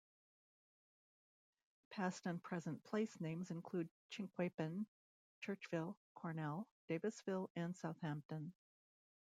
Past and present place names include Chinquapin, Churchville, Cornell, Davisville, and Southampton.